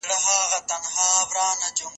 د مینې او شفقت څرګندول د ټولنې روح تازه کوي.